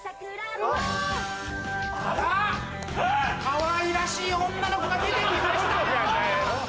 かわいらしい女の子が出て来ましたよ。